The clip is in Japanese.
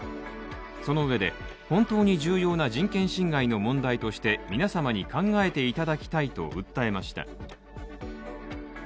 そのうえで本当に重要な人権侵害の問題として皆様に考えていただきたいと訴えました。